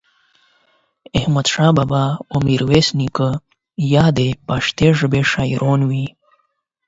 احمد شاه بابا او ميرويس نيکه هم دا پښتو ژبې شاعران وو